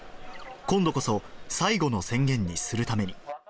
今度こそ、最後の宣言にするために。